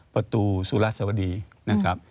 ประตูสุรสวดีนะครับ